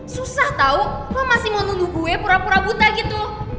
susah tau kok masih mau nunggu gue pura pura buta gitu